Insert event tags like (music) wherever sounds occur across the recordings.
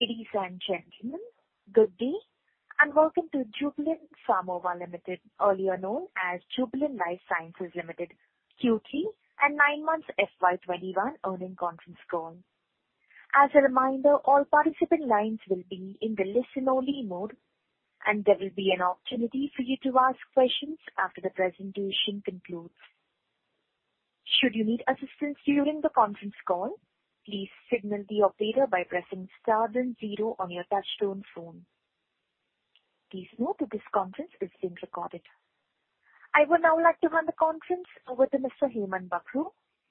Ladies and gentlemen, good day, welcome to Jubilant Pharmova Limited, earlier known as Jubilant Life Sciences Limited, Q3 and nine months FY 2021 earnings conference call. As a reminder, all participant lines will be in the listen only mode, there will be an opportunity for you to ask questions after the presentation concludes. Should you need assistance during the conference call, please signal the operator by pressing star then zero on your touchtone phone. Please note that this conference is being recorded. I would now like to hand the conference over to Mr. Hemant Bakhru,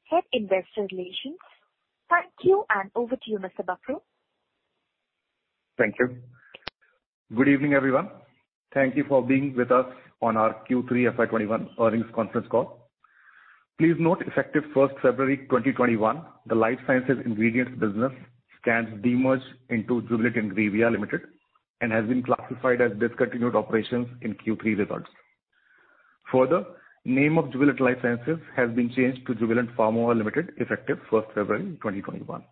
Head Investor Relations. Thank you, over to you, Mr. Bakhru. Thank you. Good evening, everyone. Thank you for being with us on our Q3 FY 2021 earnings conference call. Please note, effective 1st February 2021, the Life Science Ingredients business stands de-merged into Jubilant Ingrevia Limited and has been classified as discontinued operations in Q3 results. Further, name of Jubilant Life Sciences Limited has been changed to Jubilant Pharmova Limited effective 1st February 2021.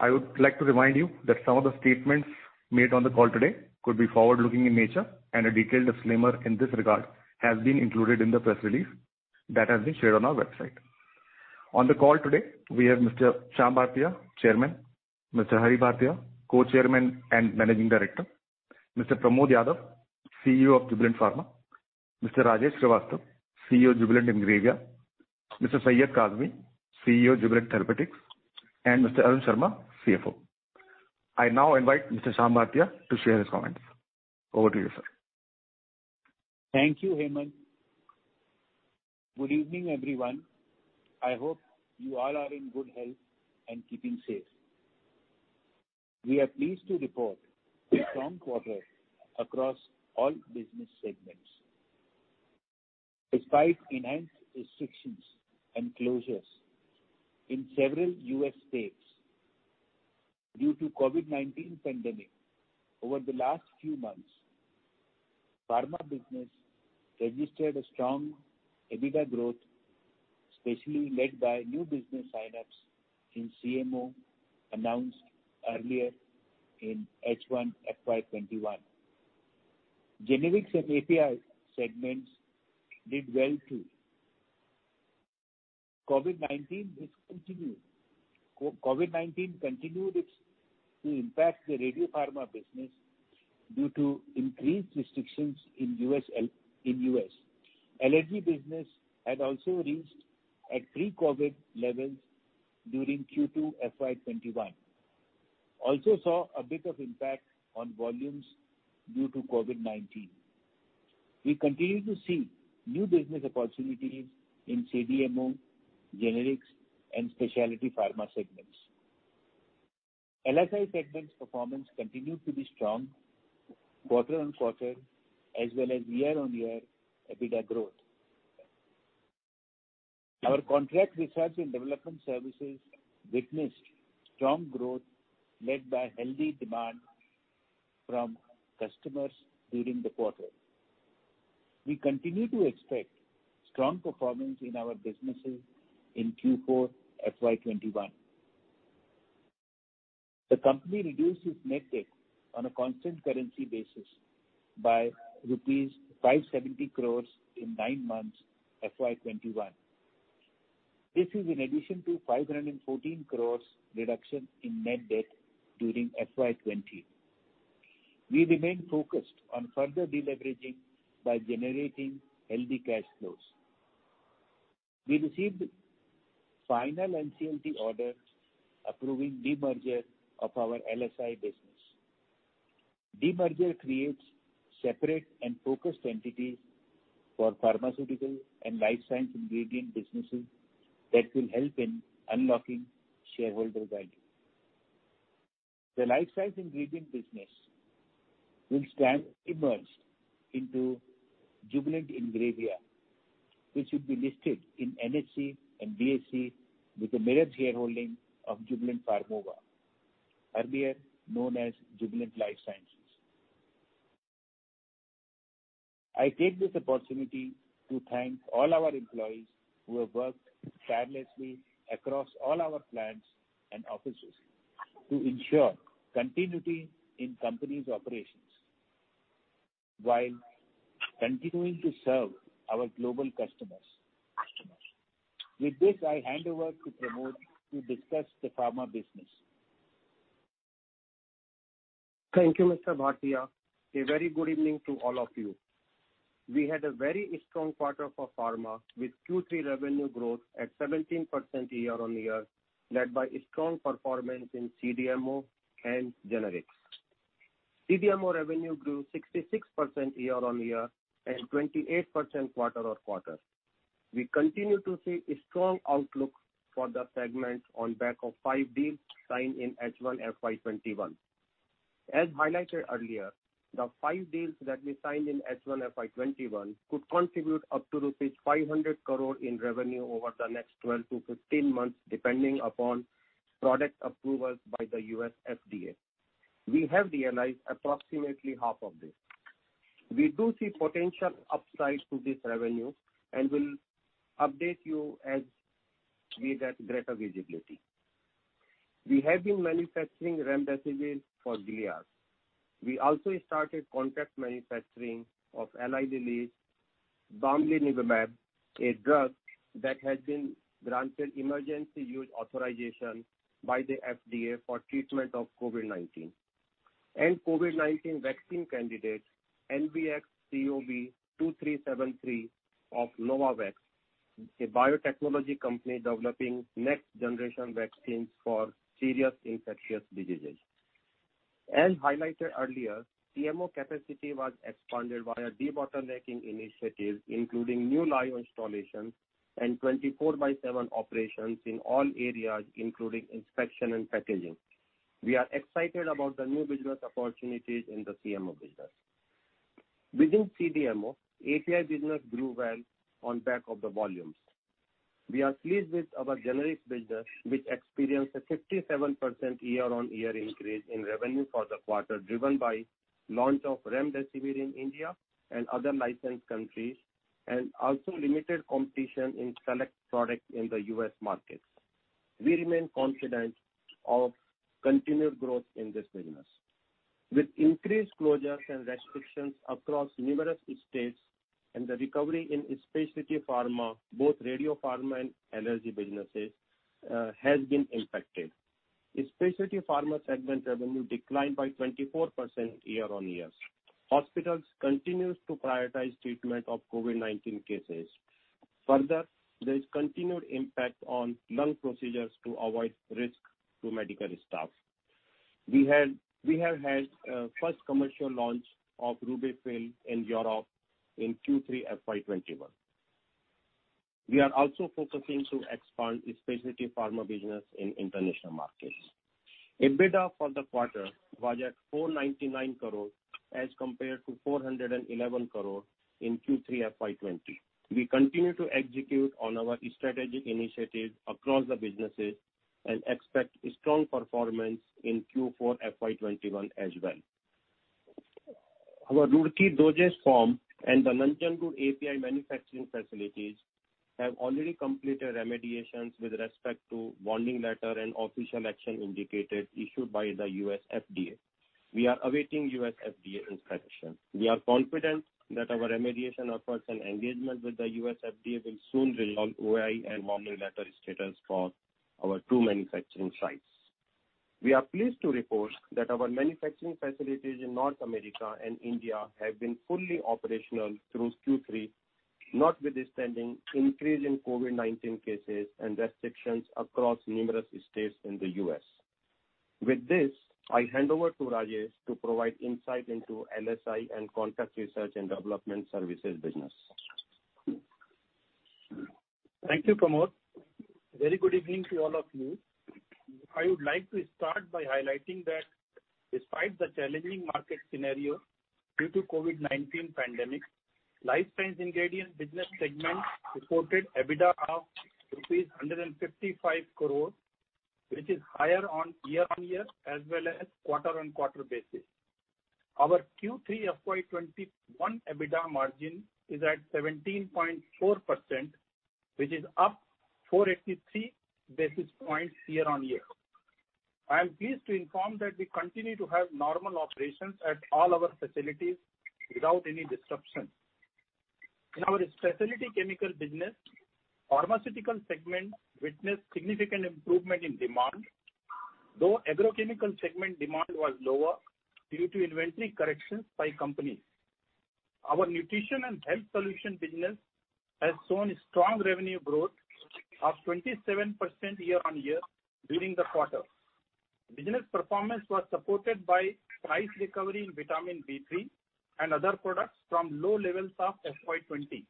I would like to remind you that some of the statements made on the call today could be forward-looking in nature, and a detailed disclaimer in this regard has been included in the press release that has been shared on our website. On the call today, we have Mr. Shyam Bhartia, Chairman, Mr. Hari Bhartia, Co-Chairman and Managing Director, Mr. Pramod Yadav, CEO of Jubilant Pharma, Mr. Rajesh Srivastava, CEO Jubilant Ingrevia, Mr. Syed Kazmi, CEO Jubilant Therapeutics, and Mr. Arun Sharma, CFO. I now invite Mr. Shyam Bhartia to share his comments. Over to you, sir. Thank you, Hemant. Good evening, everyone. I hope you all are in good health and keeping safe. We are pleased to report a strong quarter across all business segments. Despite enhanced restrictions and closures in several U.S. states due to COVID-19 pandemic over the last few months, pharma business registered a strong EBITDA growth, especially led by new business signups in CMO announced earlier in H1 FY 2021. Generics and API segments did well, too. COVID-19 continued to impact the Radiopharma business due to increased restrictions in U.S. allergy business had also reached at pre-COVID levels during Q2 FY 2021. Also saw a bit of impact on volumes due to COVID-19. We continue to see new business opportunities in CDMO, generics, and specialty pharma segments. LSI segment's performance continued to be strong quarter-on-quarter as well as year-on-year EBITDA growth. Our contract research and development services witnessed strong growth led by healthy demand from customers during the quarter. We continue to expect strong performance in our businesses in Q4 FY 2021. The company reduced its net debt on a constant currency basis by rupees 570 crores in nine months FY 2021. This is in addition to 514 crores reduction in net debt during FY 2020. We remain focused on further deleveraging by generating healthy cash flows. We received final NCLT order approving demerger of our LSI business. Demerger creates separate and focused entities for pharmaceutical and life science ingredient businesses that will help in unlocking shareholder value. The life science ingredient business will stand demerged into Jubilant Ingrevia, which will be listed in NSE and BSE with a merit shareholding of Jubilant Pharmova, earlier known as Jubilant Life Sciences. I take this opportunity to thank all our employees who have worked tirelessly across all our plants and offices to ensure continuity in company's operations while continuing to serve our global customers. With this, I hand over to Pramod to discuss the pharma business. Thank you, Mr. Bhartia. A very good evening to all of you. We had a very strong quarter for pharma, with Q3 revenue growth at 17% year-on-year, led by strong performance in CDMO and generics. CDMO revenue grew 66% year-on-year and 28% quarter-on-quarter. We continue to see a strong outlook for the segments on back of five deals signed in H1 FY 2021. As highlighted earlier, the five deals that we signed in H1 FY 2021 could contribute up to rupees 500 crore in revenue over the next 12-15 months, depending upon product approvals by the U.S. FDA. We have realized approximately half of this. We do see potential upside to this revenue and will update you as we get greater visibility. We have been manufacturing remdesivir for Gilead. We also started contract manufacturing of Eli Lilly’s Bamlanivimab, a drug that has been granted emergency use authorization by the FDA for treatment of COVID-19, and COVID-19 vaccine candidate NVX-CoV2373 of Novavax, a biotechnology company developing next generation vaccines for serious infectious diseases. As highlighted earlier, CMO capacity was expanded via debottlenecking initiatives, including new line installations and 24/7 operations in all areas, including inspection and packaging. We are excited about the new business opportunities in the CMO business. Within CDMO, API business grew well on back of the volumes. We are pleased with our generics business, which experienced a 57% year-on-year increase in revenue for the quarter, driven by launch of remdesivir in India and other licensed countries, and also limited competition in select products in the U.S. market. We remain confident of continued growth in this business. With increased closures and restrictions across numerous states, and the recovery in specialty pharma, both Radiopharma and Allergy businesses, has been impacted. Specialty pharma segment revenue declined by 24% year-on-year. Hospitals continues to prioritize treatment of COVID-19 cases. Further, there is continued impact on non-procedures to avoid risk to medical staff. We have had first commercial launch of RUBY-FILL in Europe in Q3 FY 2021. We are also focusing to expand specialty pharma business in international markets. EBITDA for the quarter was at 499 crore as compared to 411 crore in Q3 FY 2020. We continue to execute on our strategic initiatives across the businesses and expect strong performance in Q4 FY 2021 as well. Our Roorkee dosage form and the Nanjangud API manufacturing facilities have already completed remediations with respect to warning letter and official action indicated issued by the U.S. FDA. We are awaiting U.S. FDA inspection. We are confident that our remediation efforts and engagement with the U.S. FDA will soon result in OAI and warning letter status for our two manufacturing sites. We are pleased to report that our manufacturing facilities in North America and India have been fully operational through Q3, notwithstanding increase in COVID-19 cases and restrictions across numerous states in the U.S. With this, I hand over to Rajesh to provide insight into LSI and contract research and development services business. Thank you, Pramod. Very good evening to all of you. I would like to start by highlighting that despite the challenging market scenario due to COVID-19 pandemic, Life Science Ingredients business segment reported EBITDA of rupees 155 crore, which is higher on year-on-year as well as quarter-on-quarter basis. Our Q3 FY 2021 EBITDA margin is at 17.4%, which is up 483 basis points year-on-year. I am pleased to inform that we continue to have normal operations at all our facilities without any disruption. In our specialty chemical business, pharmaceutical segment witnessed significant improvement in demand, though agrochemical segment demand was lower due to inventory corrections by companies. Our nutrition and health solution business has shown strong revenue growth of 27% year-on-year during the quarter. Business performance was supported by price recovery in vitamin B3 and other products from low levels of FY 2020.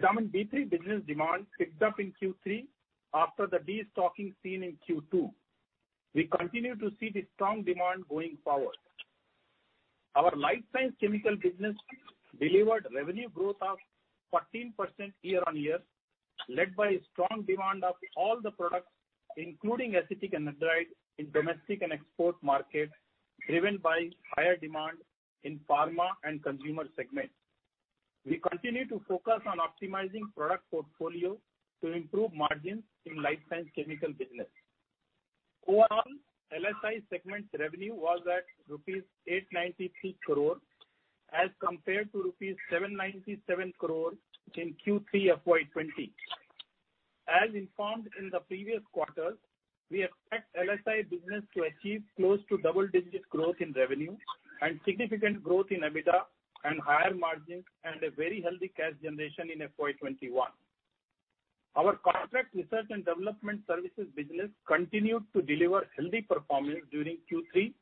Vitamin B3 business demand picked up in Q3 after the destocking seen in Q2. We continue to see this strong demand going forward. Our Life Science chemical business delivered revenue growth of 14% year-on-year, led by strong demand of all the products, including acetic anhydride in domestic and export markets, driven by higher demand in pharma and consumer segments. We continue to focus on optimizing product portfolio to improve margins in Life Science chemical business. Overall, LSI segment revenue was at rupees 893 crore as compared to rupees 797 crore in Q3 FY 2020. As informed in the previous quarter, we expect LSI business to achieve close to double-digit growth in revenue and significant growth in EBITDA and higher margins and a very healthy cash generation in FY 2021. Our contract research and development services business continued to deliver healthy performance during Q3,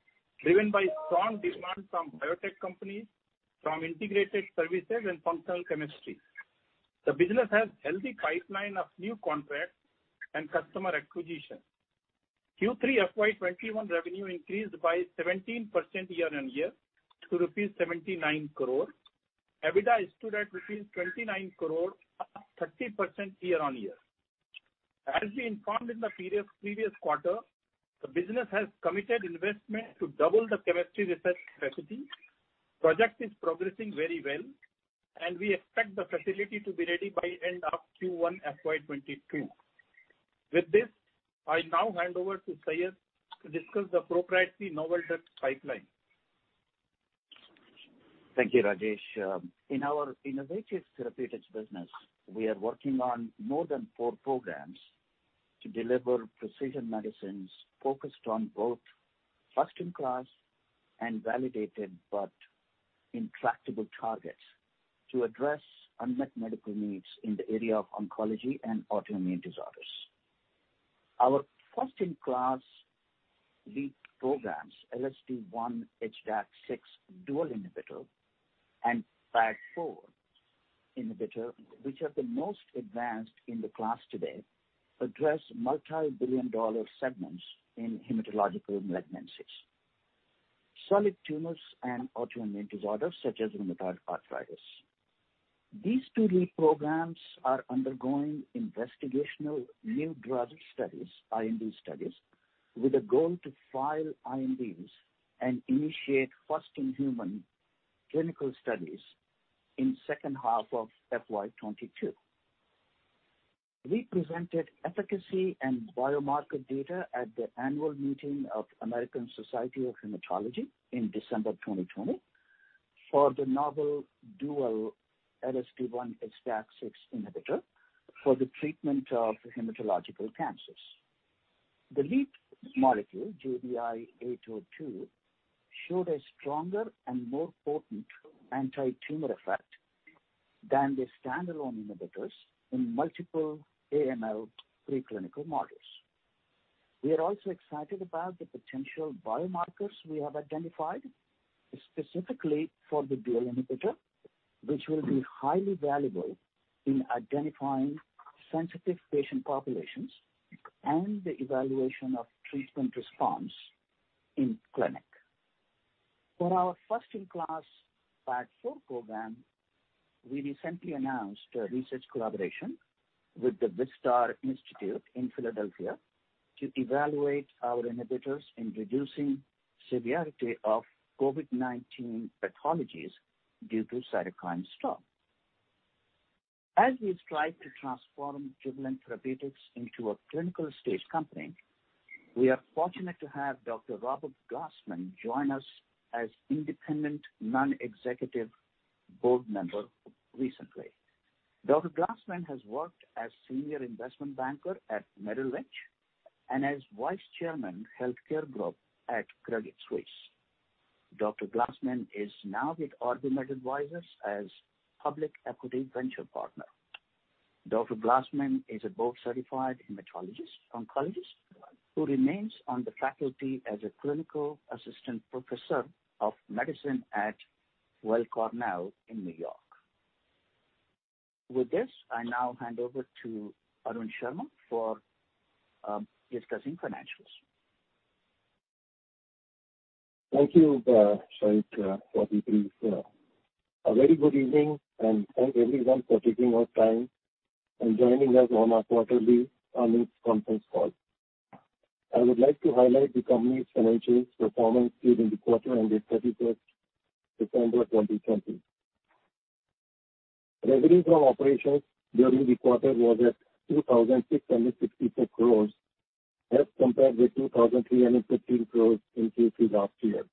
driven by strong demand from biotech companies, from integrated services and functional chemistry. The business has healthy pipeline of new contracts and customer acquisition. Q3 FY 2021 revenue increased by 17% year-over-year to rupees 79 crore. EBITDA stood at rupees 29 crore, 30% year-over-year. As we informed in the previous quarter, the business has committed investment to double the chemistry research facility. Project is progressing very well. We expect the facility to be ready by end of Q1 FY 2022. With this, I now hand over to Syed to discuss the proprietary novel drug pipeline. Thank you, Rajesh. In our innovative therapeutics business, we are working on more than four programs to deliver precision medicines focused on both first-in-class and validated but intractable targets to address unmet medical needs in the area of oncology and autoimmune disorders. Our first-in-class lead programs, LSD1/HDAC6 dual inhibitor and PAD4 inhibitor, which are the most advanced in the class today, address multi-billion dollar segments in hematological malignancies, solid tumors, and autoimmune disorders such as rheumatoid arthritis. These two lead programs are undergoing investigational new drug studies, IND studies, with a goal to file INDs and initiate first-in-human clinical studies in second half of FY 2022. We presented efficacy and biomarker data at the annual meeting of American Society of Hematology in December 2020 for the novel dual LSD1/HDAC6 inhibitor for the treatment of hematological cancers. The lead molecule, JBI-802, showed a stronger and more potent anti-tumor effect than the standalone inhibitors in multiple AML pre-clinical models. We are also excited about the potential biomarkers we have identified, specifically for the dual inhibitor, which will be highly valuable in identifying sensitive patient populations and the evaluation of treatment response in clinic. For our first-in-class PAD4 program, we recently announced a research collaboration with the Wistar Institute in Philadelphia to evaluate our inhibitors in reducing severity of COVID-19 pathologies due to cytokine storm. As we strive to transform Jubilant Therapeutics into a clinical-stage company, we are fortunate to have Dr. Robert Glassman join us as independent non-executive board member recently. Dr. Glassman has worked as senior investment banker at Merrill Lynch and as vice chairman, health care group at Credit Suisse. Dr. Glassman is now with OrbiMed Advisors as public equity venture partner. Dr. Glassman is a board-certified hematologist oncologist who remains on the faculty as a clinical assistant professor of medicine at Weill Cornell in New York. With this, I now hand over to Arun Sharma for discussing financials. Thank you, Syed, for the brief. A very good evening, and thank everyone for taking out time and joining us on our quarterly earnings conference call. I would like to highlight the company's financial performance during the quarter ended 31st December 2020. Revenue from operations during the quarter was at 2,664 crores as compared with 2,315 crores in Q3 last year.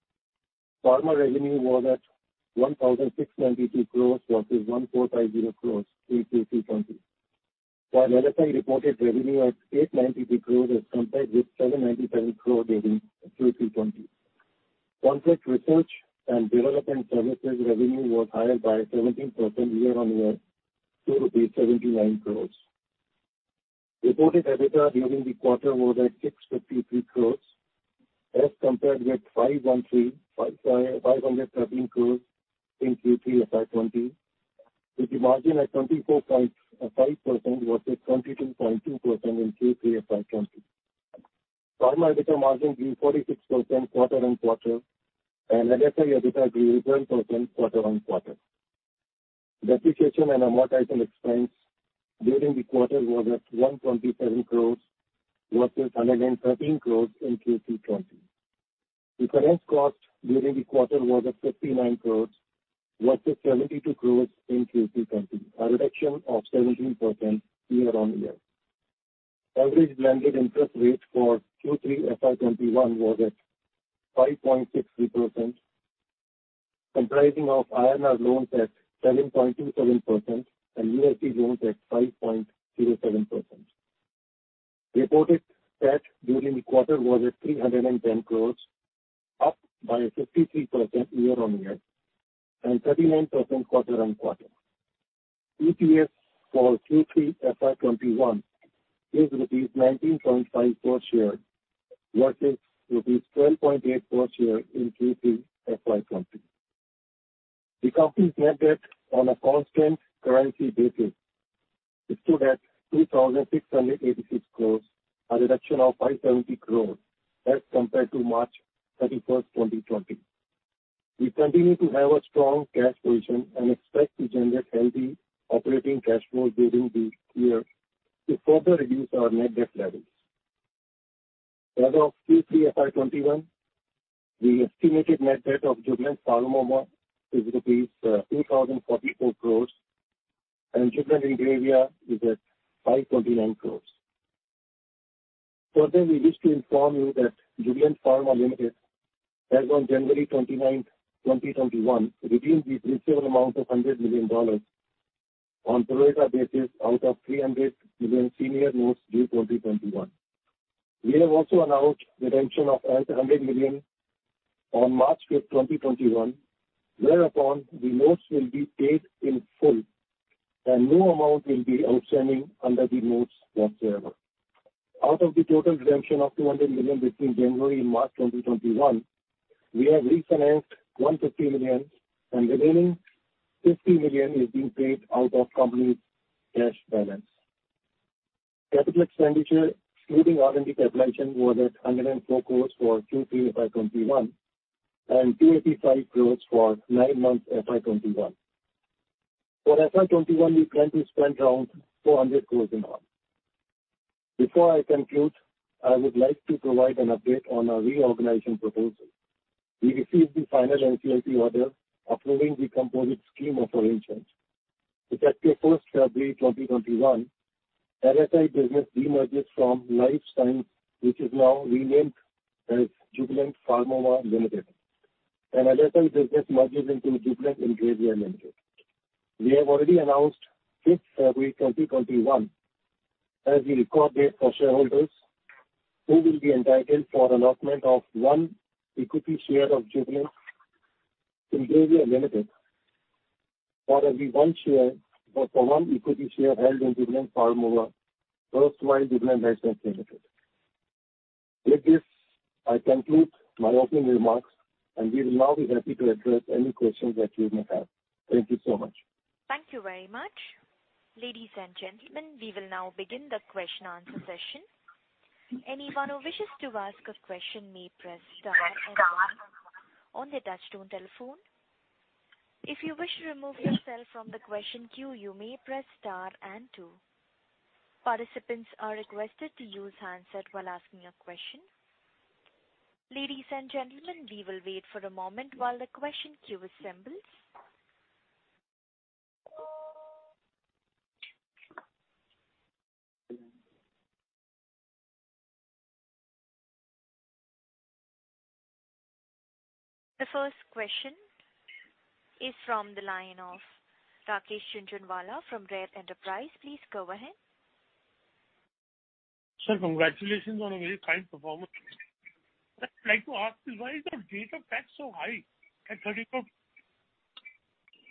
Pharma revenue was at 1,692 crores versus 1,450 crores Q3 2020. While LSI reported revenue at 892 crores as compared with 797 crore during Q3 2020. Contract research and development services revenue was higher by 17% year-on-year to rupees 79 crores. Reported EBITDA during the quarter was at 653 crores as compared with 513 crores in Q3 FY 2020, with the margin at 24.5% versus 22.2% in Q3 FY 2020. Pharma EBITDA margin grew 46% quarter-on-quarter, and LSI EBITDA grew 12% quarter-on-quarter. Depreciation and amortization expense during the quarter was at 127 crores versus 113 crores in Q3 2020. The finance cost during the quarter was at 59 crores versus 72 crores in Q3 2020, a reduction of 17% year-on-year. Average blended interest rate for Q3 FY 2021 was at 5.63%, comprising of INR loans at 7.27% and USD loans at 5.07%. Reported tax during the quarter was at 310 crores, up by 53% year-on-year and 39% quarter-on-quarter. EPS for Q3 FY 2021 is rupees 19.54 per share, versus rupees 12.84 per share in Q3 FY 2020. The company's net debt on a constant currency basis stood at 2,686 crores, a reduction of 570 crore as compared to March 31st, 2020. We continue to have a strong cash position and expect to generate healthy operating cash flow during this year to further reduce our net debt levels. As of Q3 FY 2021, the estimated net debt of Jubilant Pharmova is rupees 3,044 crores and Jubilant Ingrevia is at 529 crores. We wish to inform you that Jubilant Pharma Limited, as on January 29th, 2021, redeemed the principal amount of $100 million on pro-rata basis out of $300 million senior notes due 2021. We have also announced redemption of another $100 million on March 5th, 2021, whereupon the notes will be paid in full and no amount will be outstanding under the notes whatsoever. Out of the total redemption of $200 million between January and March 2021, we have refinanced $150 million and the remaining $50 million is being paid out of company's cash balance. Capital expenditure, including R&D capitalization, was at 104 crores for Q3 FY 2021 and 285 crores for nine months FY 2021. For FY 2021, we plan to spend around 400 crores in all. Before I conclude, I would like to provide an update on our reorganization proposal. We received the final NCLT order approving the composite scheme of arrangements. With effect from 1st February 2021, LSI business demerges from Jubilant Life Sciences Limited, which is now renamed as Jubilant Pharmova Limited, and LSI business merges into Jubilant Ingrevia Limited. We have already announced 5th February 2021 as the record date for shareholders who will be entitled for allotment of one equity share of Jubilant Ingrevia Limited for one equity share held in Jubilant Pharmova erstwhile Jubilant Life Sciences Limited. With this, I conclude my opening remarks. We will now be happy to address any questions that you may have. Thank you so much. Thank you very much. Ladies and gentlemen, we will now begin the question answer session. Anyone who wishes to ask a question may press star and one on their touchtone telephone. If you wish to remove yourself from the question queue, you may press star and two. Participants are requested to use handset while asking a question. Ladies and gentlemen, we will wait for a moment while the question queue assembles. The first question is from the line of Rakesh Jhunjhunwala from Rare Enterprises. Please go ahead. Sir, congratulations on a very fine performance. I'd like to ask you, why is your rate of tax so high at 34%?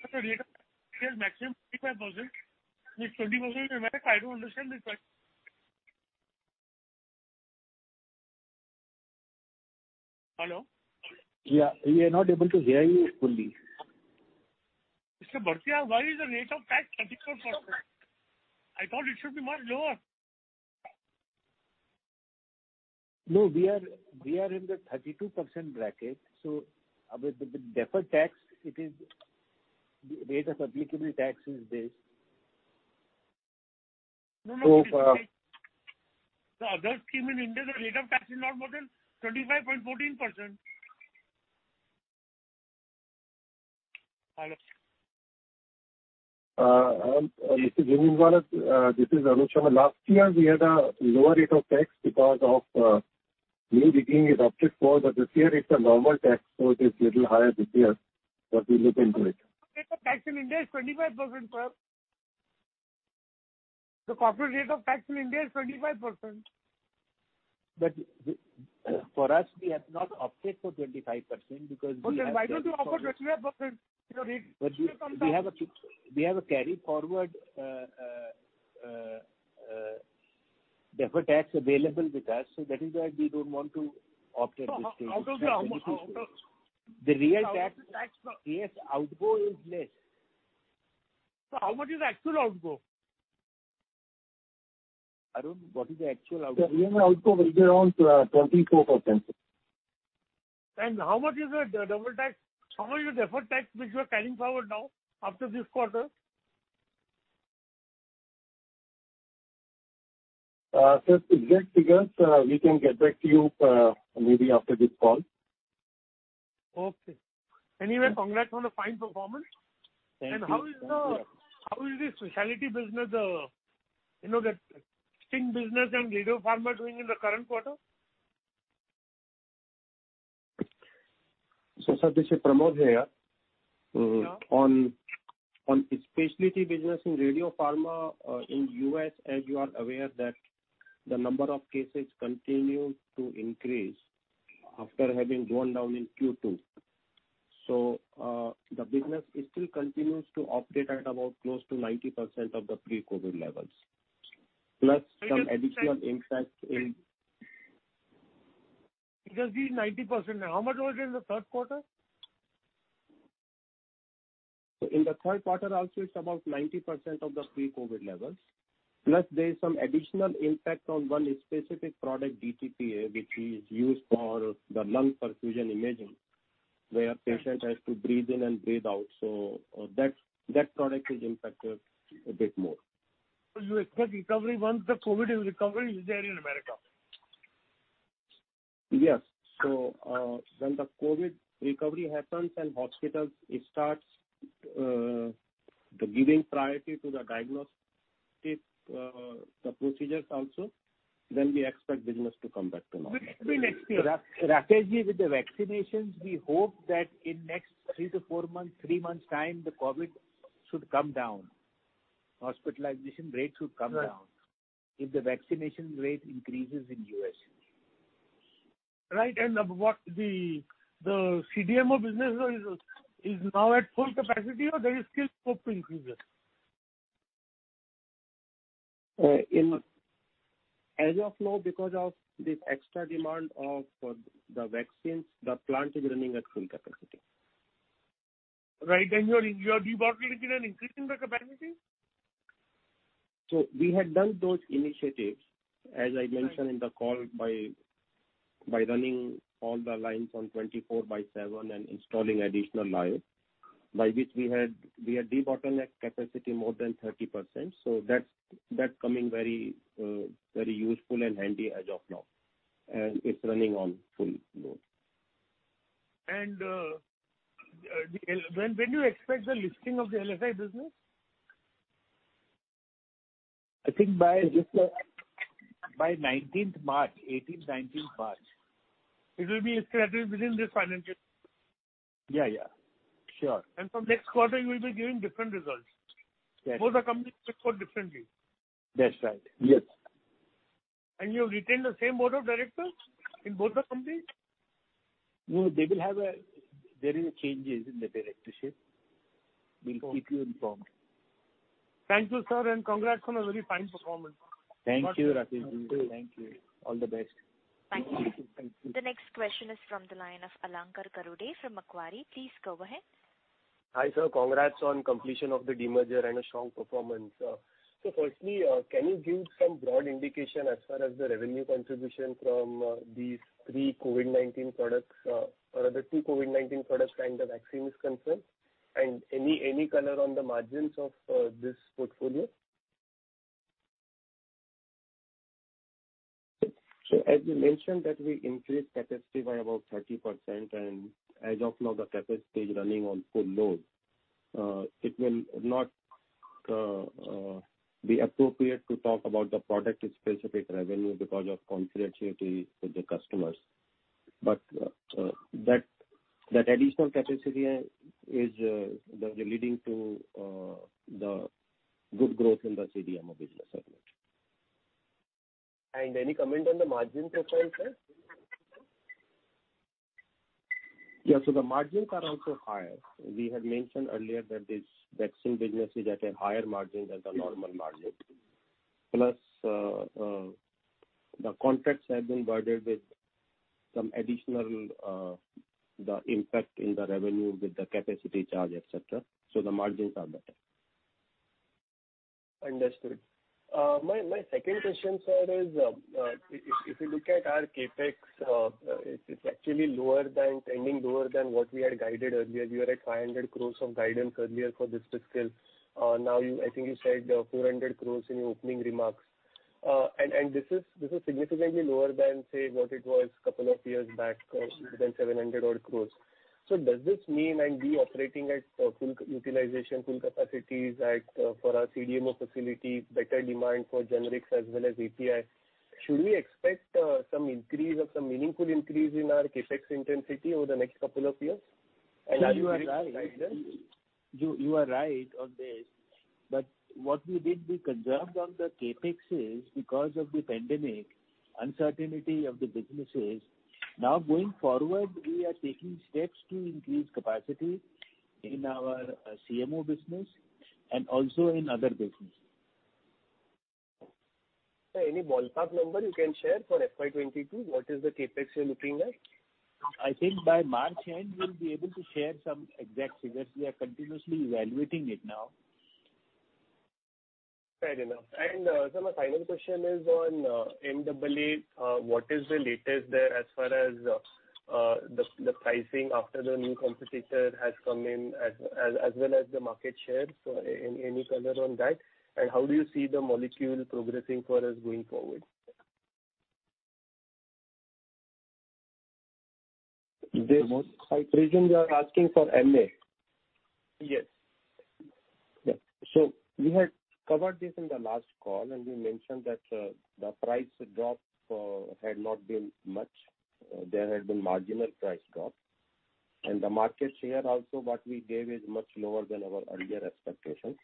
Sir, rate of tax here maximum 25%, here 20% and above, I don't understand this. Hello? Yeah. We are not able to hear you fully. Mr. Bhartia, why is the rate of tax 34%? I thought it should be much lower. No, we are in the 32% bracket, so with the deferred tax, the rate of applicable tax is this. No, no. The other scheme in India, the rate of tax is not more than 25.14%. Hello? Mr. Jhunjhunwala, this is Arun Sharma. Last year we had a lower rate of tax because of new regime we opted for, this year it's a normal tax, so it is little higher this year. We'll look into it. The rate of tax in India is 25%, sir. The corporate rate of tax in India is 25%. For us, we have not opted for 25%. Okay. Why don't you opt 25%? Your rate should come down. We have a carry forward deferred tax available with us. That is why we don't want to opt at this stage. Out of that, how much is used? The real tax outflow is less. Sir, how much is the actual outflow? Arun, what is the actual outflow? Sir, outflow will be around 24%. How much is the deferred tax which you are carrying forward now after this quarter? Sir, to get figures, we can get back to you maybe after this call. Okay. Anyway, congrats on a fine performance. Thank you. How is the specialty business, the LSI business and Radiopharma doing in the current quarter? Sir, this is Pramod here. Yeah. On specialty business in Radiopharma, in U.S., as you are aware that the number of cases continue to increase after having gone down in Q2. The business still continues to operate at about close to 90% of the pre-COVID levels, plus some additional impact. It has been 90% now. How much was it in the third quarter? In the third quarter also, it's about 90% of the pre-COVID levels. Plus, there is some additional impact on one specific product, DTPA, which is used for lung perfusion imaging, where a patient has to breathe in and breathe out. That product is impacted a bit more. You expect recovery once the COVID recovery is there in America? Yes. When the COVID recovery happens and hospitals start giving priority to the diagnostic procedures also, we expect business to come back to normal. Which will be next year? Rajesh, with the vaccinations, we hope that in the next three to four months, three months' time, the COVID should come down. Hospitalization rates should come down if the vaccination rate increases in the U.S. Right. What the CDMO business is now at full capacity, or there is still scope to increase it? As of now, because of this extra demand for the vaccines, the plant is running at full capacity. Right. You are debottlenecking and increasing the capacity? We had done those initiatives, as I mentioned in the call, by running all the lines on 24 by seven and installing additional lines, by which we had debottlenecked capacity more than 30%. That's coming very useful and handy as of now, and it's running on full load. When do you expect the listing of the LSI business? I think by 19th March. 18th, 19th March. It will be separated within this financial? Yeah. Sure. From next quarter, you will be giving different results. Yes. Both the companies report differently. That's right. Yes. You've retained the same board of directors in both the companies? No, there is changes in the directorship. We'll keep you informed. Thank you, sir, and congrats on a very fine performance. Thank you, Rakesh. Thank you. All the best. Thank you. Thank you. The next question is from the line of Alankar Garude from Macquarie. Please go ahead. Hi, sir. Congrats on completion of the demerger and a strong performance. Firstly, can you give some broad indication as far as the revenue contribution from these three COVID-19 products, or the two COVID-19 products, and the vaccine is concerned? Any color on the margins of this portfolio? As we mentioned that we increased capacity by about 30%, and as of now, the capacity is running on full load. It will not be appropriate to talk about the product-specific revenue because of confidentiality with the customers. That additional capacity is leading to the good growth in the CDMO business segment. Any comment on the margins profile, sir? Yeah. The margins are also higher. We had mentioned earlier that this vaccine business is at a higher margin than the normal margin. The contracts have been worded with some additional impact in the revenue with the capacity charge, et cetera. The margins are better. Understood. My second question, sir, is if you look at our CapEx, it's actually trending lower than what we had guided earlier. We were at 500 crore of guidance earlier for this fiscal. Now, I think you said 400 crore in your opening remarks. This is significantly lower than, say, what it was a couple of years back, more than 700 crore. Does this mean, and we operating at full utilization, full capacities for our CDMO facility, better demand for generics as well as API? Should we expect some increase or some meaningful increase in our CapEx intensity over the next couple of years? You are right. You are right on this. What we did, we conserved on the CapEx because of the pandemic, uncertainty of the businesses. Now going forward, we are taking steps to increase capacity in our CMO business and also in other businesses. Sir, any ballpark number you can share for FY 2022? What is the CapEx you're looking at? I think by March end, we'll be able to share some exact figures. We are continuously evaluating it now. Fair enough. Sir, my final question is on MAA. What is the latest there as far as the pricing after the new competitor has come in, as well as the market share? Any color on that, and how do you see the molecule progressing for us going forward? I presume you are asking for MAA. Yes. Yeah. We had covered this in the last call, and we mentioned that the price drop had not been much. There had been marginal price drop. The market share also, what we gave is much lower than our earlier expectations.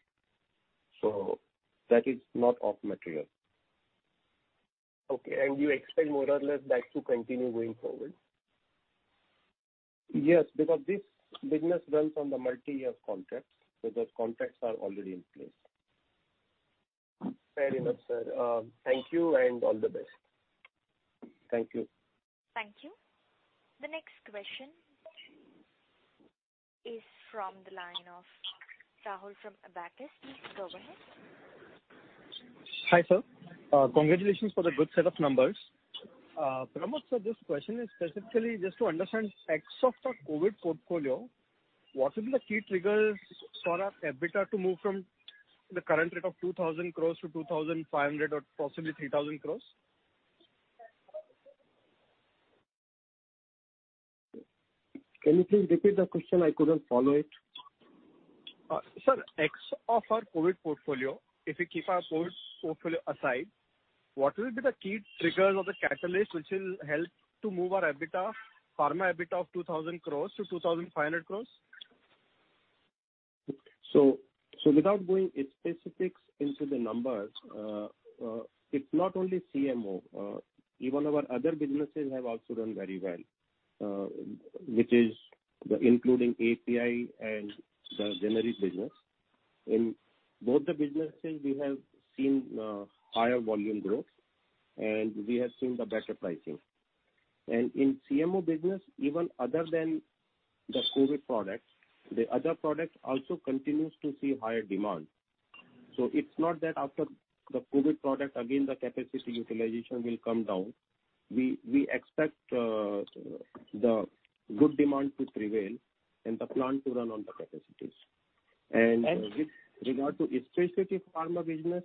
That is not of material. Okay. You expect more or less that to continue going forward? Yes, because this business runs on the multiyear contracts. Those contracts are already in place. Fair enough, sir. Thank you, and all the best. Thank you. Thank you. The next question is from the line of Rahul from Abakkus. Please go ahead. Hi, sir. Congratulations for the good set of numbers. Pramod, sir, this question is specifically just to understand, ex of the COVID portfolio, what will be the key triggers for our EBITDA to move from the current rate of 2,000 crores to 2,500 or possibly 3,000 crores? Can you please repeat the question? I couldn't follow it. Sir, of our COVID portfolio, if we keep our COVID portfolio aside, what will be the key triggers or the catalyst which will help to move our pharma EBITDA of 2,000 crores to 2,500 crores? Without going into specifics into the numbers, it's not only CMO. Even our other businesses have also done very well, including API and the generics business. In both the businesses, we have seen higher volume growth, and we have seen better pricing. In CMO business, even other than the COVID products, the other products also continue to see higher demand. It's not that after the COVID product, again, the capacity utilization will come down. We expect good demand to prevail and the plant to run on the capacities. With regard to specifically pharma business,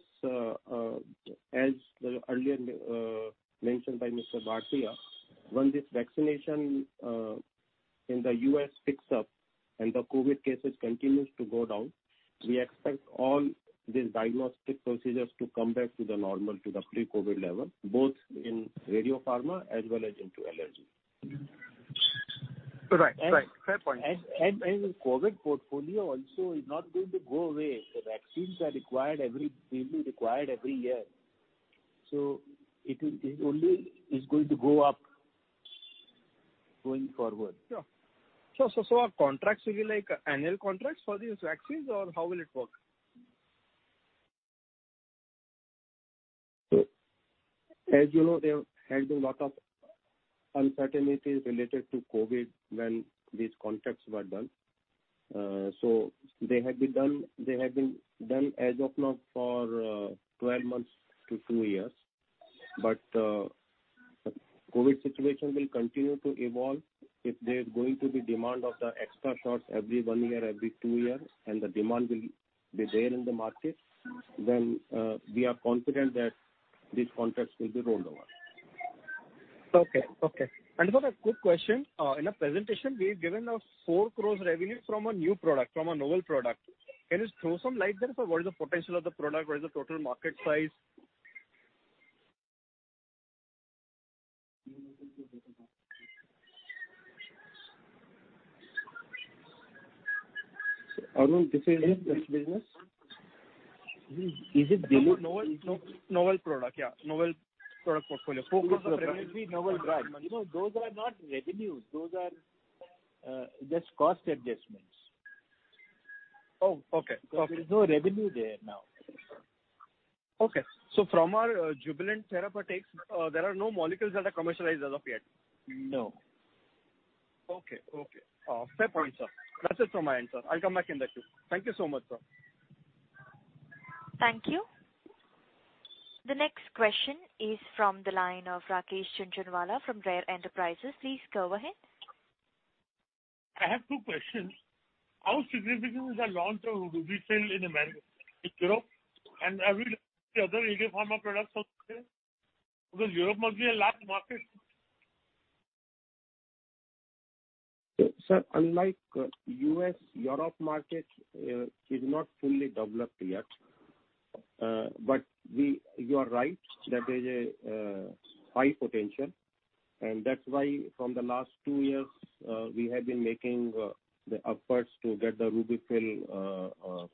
as earlier mentioned by Mr. Bhartia, once this vaccination in the U.S. picks up and the COVID cases continue to go down, we expect all these diagnostic procedures to come back to the normal, to the pre-COVID level, both in Radiopharma as well as into allergy. Right. Fair point. And, COVID portfolio also is not going to go away. The vaccines will be required every year. It only is going to go up going forward. Sure. Our contracts will be like annual contracts for these vaccines, or how will it work? As you know, there has been a lot of uncertainties related to COVID when these contracts were done. They have been done as of now for 12 months to two years. The COVID situation will continue to evolve. If there's going to be demand of the extra shots every one year, every two years, and the demand will be there in the market, then we are confident that these contracts will be rolled over. Okay. Sir, a quick question. In a presentation, we have given a 4 crores revenue from a new product, from a novel product. Can you throw some light there, sir? What is the potential of the product? What is the total market size? Arun, which is it? Which business? Is it [debt]? Novel product, yeah. Novel product portfolio. Focus on the novelty, novel product. Those are not revenues. Those are just cost adjustments. Oh, okay. There's no revenue there now. Okay. From our Jubilant Therapeutics, there are no molecules that are commercialized as of yet? No. Okay. Fair point, sir. That's it from my end, sir. I'll come back in the queue. Thank you so much, sir. Thank you. The next question is from the line of Rakesh Jhunjhunwala from Rare Enterprises. Please go ahead. I have two questions. How significant is the launch of RUBY-FILL in America, Europe, and every other API pharma products out there? Europe must be a large market. Sir, unlike U.S., Europe market is not fully developed yet. You are right, that there's a high potential, and that's why from the last two years, we have been making the efforts to get the RUBY-FILL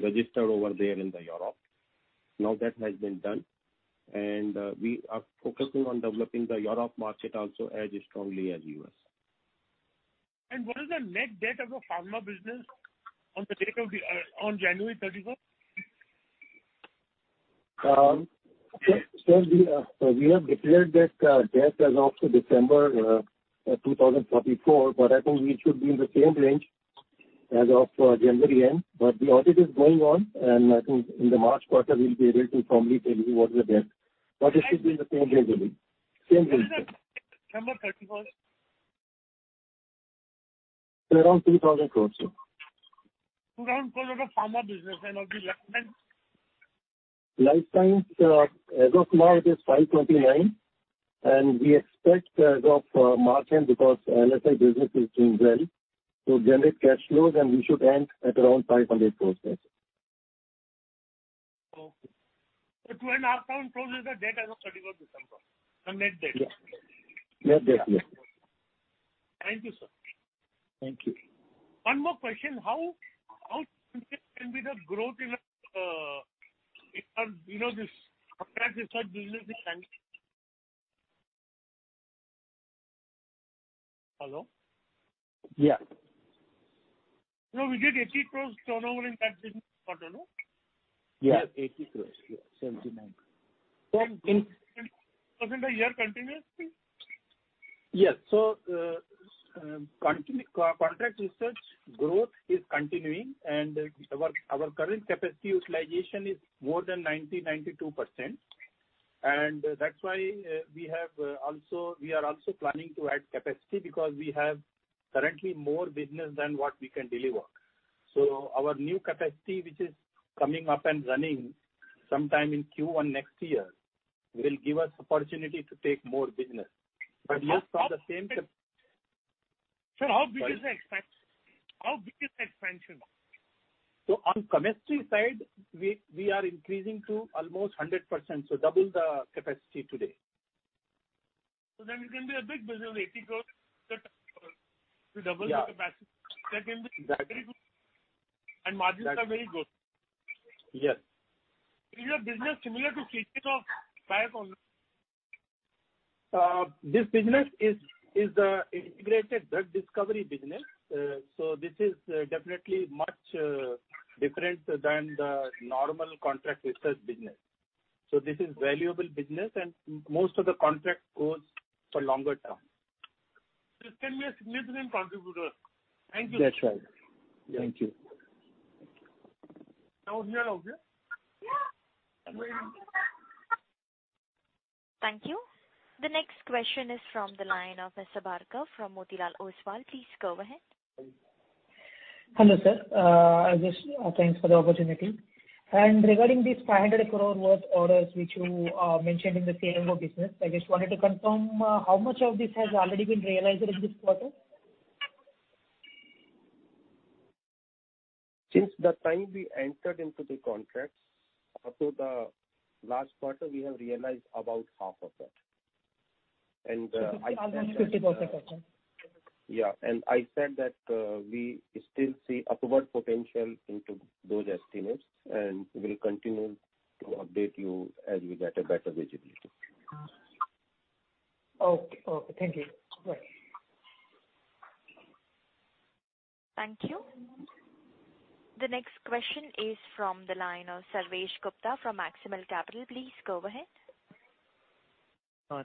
registered over there in Europe. Now, that has been done, and we are focusing on developing the Europe market also as strongly as U.S. What is the net debt of the pharma business on January 31st? Sir, we have declared that debt as of December 2024, I think we should be in the same range as of January end. The audit is going on, and I think in the March quarter, we'll be able to formally tell you what is the debt. It should be in the same range only. What is it, December 31st? Around INR 3,000 crores, sir. Around 3,000 pharma business and of the LSI? LSI, as of now, it is 529 crores, and we expect as of March end, because LSI business is doing well to generate cash flows, and we should end at around 500 crores, sir. Okay. 2,500 crores is the debt as of 31st December. The net debt. Yeah. Net debt, yes. Thank you, sir. Thank you. One more question. How significant can be the growth in this contract research business in hand? Hello. Yeah. No, we did 80 crores turnover in that business quarter, no? Yeah. Yes, 80 crores. Yeah, 79 crores. Wasn't the year continuous? Yes. Contract research growth is continuing, and our current capacity utilization is more than 90%, 92%. That's why we are also planning to add capacity because we have currently more business than what we can deliver. Our new capacity, which is coming up and running sometime in Q1 next year, will give us opportunity to take more business. Most of the same. Sir, how big is the expansion? On chemistry side, we are increasing to almost 100%. Double the capacity today. It can be a big business, 80 crore to double the capacity. Yeah. That can be very good. Exactly. Margins are very good. Yes. Is your business similar to of Biocon? This business is the integrated drug discovery business. This is definitely much different than the normal contract research business. This is valuable business, and most of the contract goes for longer term. This can be a significant contributor. Thank you. That's right. Thank you. (inaudible) Thank you. The next question is from the line of Mr. Barkha from Motilal Oswal. Please go ahead. Hello, sir. Thanks for the opportunity. Regarding this 500 crore worth orders, which you mentioned in the CMO business, I just wanted to confirm how much of this has already been realized in this quarter? Since the time we entered into the contracts up to the last quarter, we have realized about half of that. INR 250 crore roughly? Yeah. I said that we still see upward potential into those estimates, and we'll continue to update you as we get a better visibility. Okay. Thank you. Bye. Thank you. The next question is from the line of Sarvesh Gupta from Maximal Capital. Please go ahead.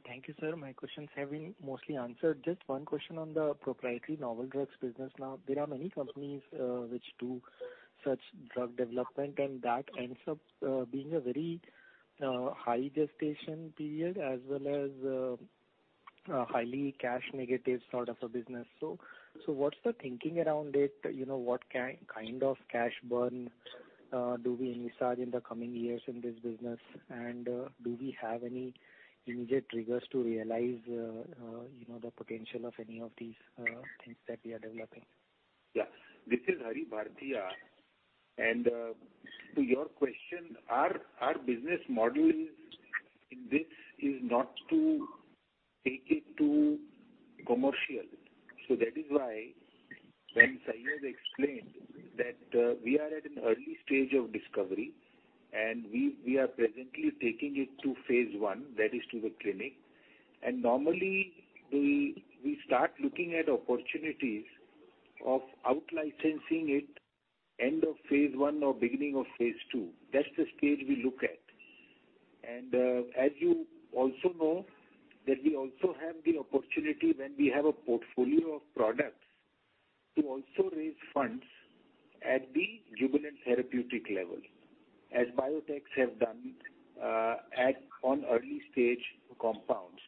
Thank you, sir. My questions have been mostly answered. Just one question on the proprietary novel drugs business. There are many companies which do such drug development, and that ends up being a very high gestation period as well as a highly cash negative sort of a business. What's the thinking around it? What kind of cash burn do we envisage in the coming years in this business? Do we have any immediate triggers to realize the potential of any of these things that we are developing? Yeah. This is Hari Bhartia. To your question, our business model in this is not to take it to commercial. That is why when Syed explained that we are at an early stage of discovery, and we are presently taking it to phase I, that is to the clinic. Normally, we start looking at opportunities of out licensing it end of phase I or beginning of phase II. That's the stage we look at. As you also know that we also have the opportunity when we have a portfolio of products to also raise funds at the Jubilant Therapeutics level, as biotechs have done on early-stage compounds.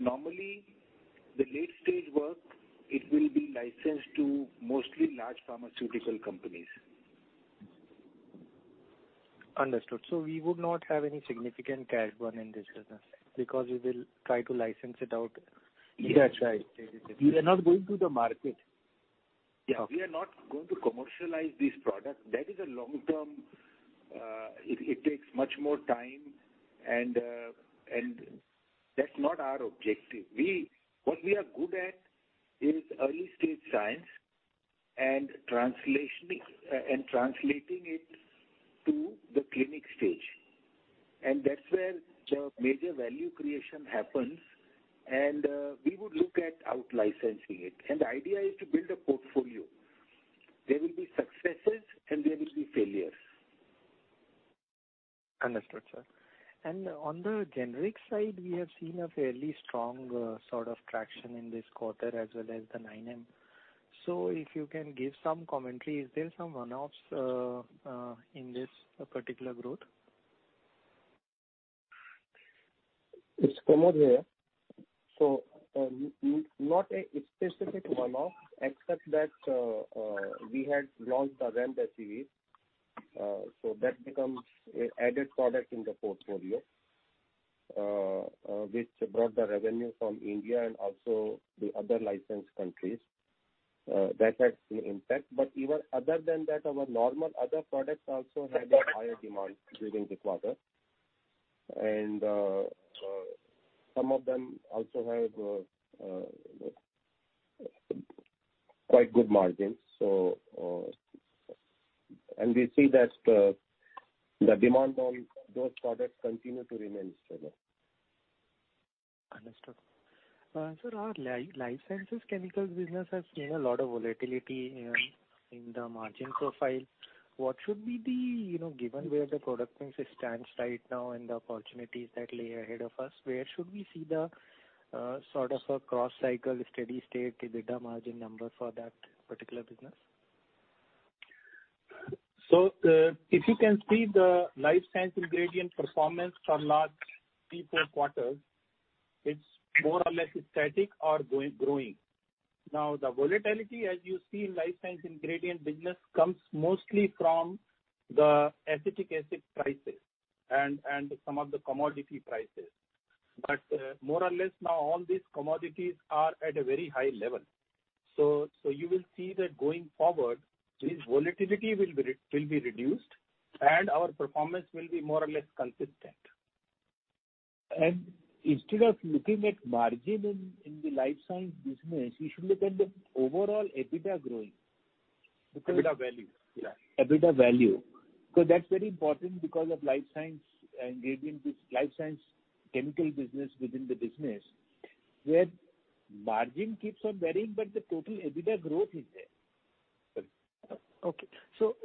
Normally the late-stage work, it will be licensed to mostly large pharmaceutical companies. Understood. We would not have any significant cash burn in this business because we will try to license it out. That's right. We are not going to the market. Okay. We are not going to commercialize this product. It takes much more time, and that's not our objective. What we are good at is early-stage science and translating it to the clinic stage. That's where the major value creation happens, and we would look at out licensing it. The idea is to build a portfolio. There will be successes and there will be failures. Understood, sir. On the generic side, we have seen a fairly strong sort of traction in this quarter as well as the nine months. If you can give some commentary, is there some one-offs in this particular growth? It's Pramod here. Not a specific one-off except that we had launched the remdesivir. That becomes an added product in the portfolio, which brought the revenue from India and also the other licensed countries. That had some impact. Other than that, our normal other products also had a higher demand during this quarter. Some of them also had quite good margins. We see that the demand on those products continue to remain stable. Understood. Sir, our Life Sciences chemicals business has seen a lot of volatility in the margin profile. Given where the product mix stands right now and the opportunities that lay ahead of us, where should we see the sort of a cross-cycle steady state EBITDA margin number for that particular business? If you can see the Life Science Ingredients performance from last three, four quarters, it's more or less static or growing. The volatility, as you see in Life Science Ingredients business, comes mostly from the acetic acid prices and some of the commodity prices. More or less now all these commodities are at a very high level. You will see that going forward, this volatility will be reduced, and our performance will be more or less consistent. Instead of looking at margin in the Life Science business, you should look at the overall EBITDA growing. EBITDA value. Yeah. EBITDA value. That's very important because of Life Science chemical business within the business, where margin keeps on varying, but the total EBITDA growth is there. Okay.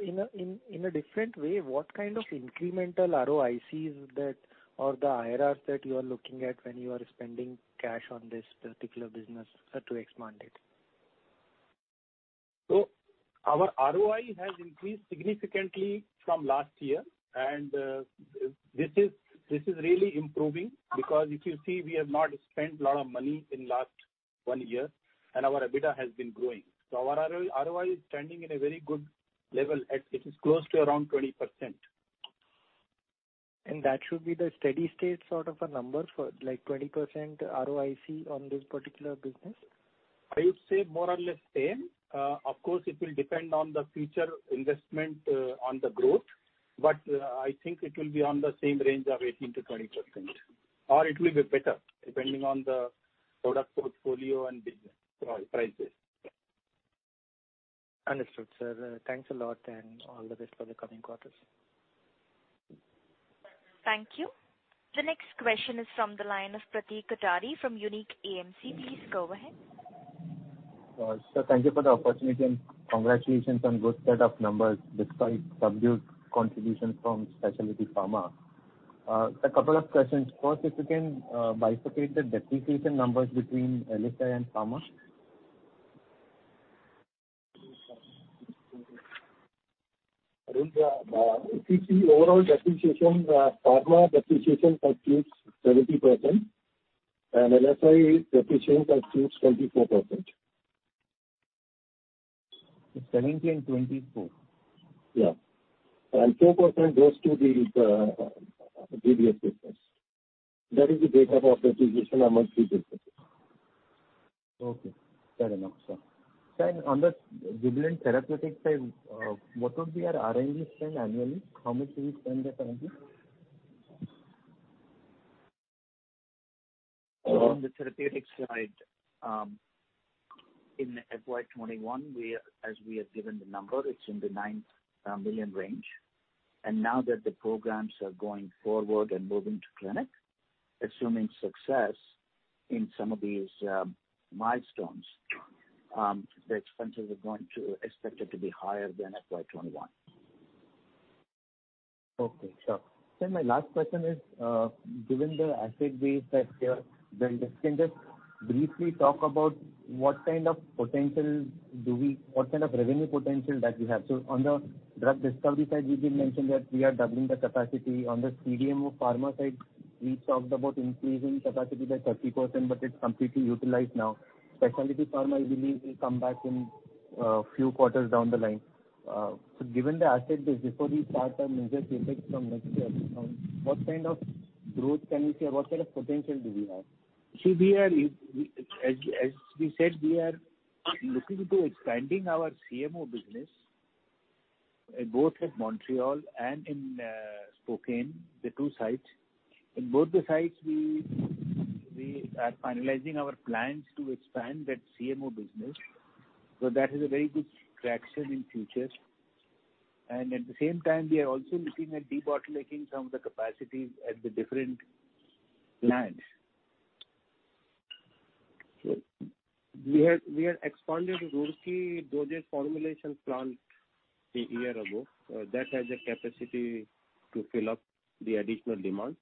In a different way, what kind of incremental ROICs or the IRRs that you are looking at when you are spending cash on this particular business to expand it? Our ROI has increased significantly from last year. This is really improving because if you see, we have not spent a lot of money in last one year, and our EBITDA has been growing. Our ROI is trending in a very good level as it is close to around 20%. That should be the steady state sort of a number for 20% ROIC on this particular business? I would say more or less same. It will depend on the future investment on the growth, but I think it will be on the same range of 18%-20%, or it will be better depending on the product portfolio and business prices. Understood, sir. Thanks a lot and all the best for the coming quarters. Thank you. The next question is from the line of Pratik Kothari from Unique AMC. Please go ahead. Sir, thank you for the opportunity and congratulations on good set of numbers despite subdued contribution from Specialty Pharma. A couple of questions. First, if you can bifurcate the depreciation numbers between LSI and Pharma. If you see overall depreciation, Pharma depreciation constitutes 70%, and LSI depreciation constitutes 24%. 17% and 24%. Yeah. 2% goes to the GBS business. That is the breakup of depreciation amongst three businesses. Okay, fair enough, sir. On the Jubilant Therapeutics side, what would be our R&D spend annually? How much do we spend there currently? On the therapeutics side, in FY 2021, as we have given the number, it's in the 9 million range. Now that the programs are going forward and moving to clinic, assuming success in some of these milestones, the expenses are expected to be higher than FY 2021. Okay, sure. Sir, my last question is, given the asset base that you have built, can you just briefly talk about what kind of revenue potential that we have? On the drug discovery side, we did mention that we are doubling the capacity. On the CDMO Pharma side, we talked about increasing capacity by 30%, but it's completely utilized now. Specialty Pharma, I believe, will come back in a few quarters down the line. Given the asset base, before we start our major CapEx from next year onwards, what kind of growth can we see or what kind of potential do we have? As we said, we are looking into expanding our CMO business, both at Montreal and in Spokane, the two sites. In both the sites, we are finalizing our plans to expand that CMO business. That is a very good traction in future. At the same time, we are also looking at debottlenecking some of the capacities at the different plants. We have expanded Roorkee dosage formulation plant a year ago. That has a capacity to fill up the additional demand.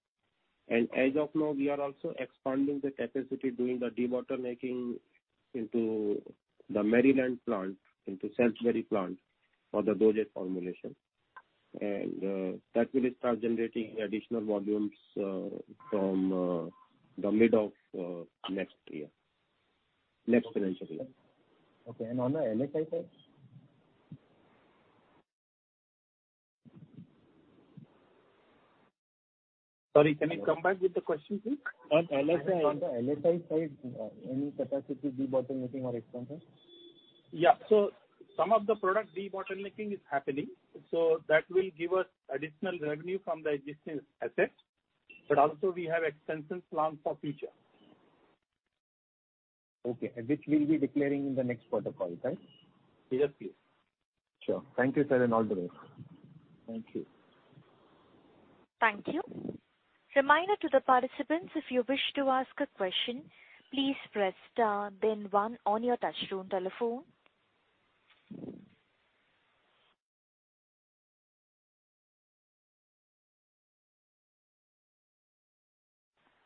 As of now, we are also expanding the capacity, doing the debottlenecking into the Maryland plant, into Salisbury plant for the dosage formulation. That will start generating additional volumes from the mid of next year, next financial year. Okay. On the LSI side? Sorry, can I come back with the question, please? On LSI. On the LSI side, any capacity debottlenecking or expansion? Yeah. Some of the product debottlenecking is happening. That will give us additional revenue from the existing assets. Also we have expansion plans for future. Okay. Which we'll be declaring in the next protocol, right? Yes, please. Sure. Thank you, sir, and all the best. Thank you. Thank you. Reminder to the participants if you wish to ask a question, please press star then one on your touch tone telephone.